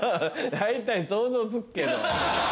大体想像つくけど。